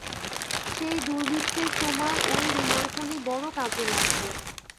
সেই দুর্ভিক্ষের সময় ঐ রুমালখানি বড়ো কাজে লাগবে।